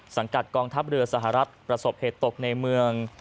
สังกัดกองทัพเรือสหรัฐประสบเหตุตกในเมือง